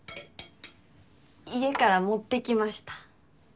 家から持ってきました。